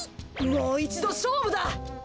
もういちどしょうぶだ！